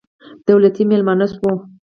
دولتي مېلمانه شوو.